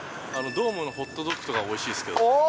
ドームのホットドッグとかもおいしいですよ。